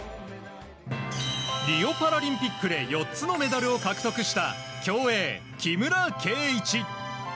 リオパラリンピックで４つのメダルを獲得した競泳、木村敬一。